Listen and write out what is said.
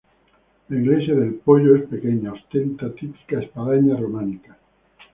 La iglesia de El Poyo es pequeña; ostenta típica espadaña románica.